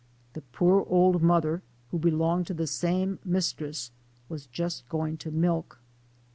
The poor old mother, who belonged to the same mis tress, was just going to milk.